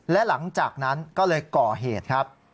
และหลังจากนั้นก็เลยก่อเหตุครับ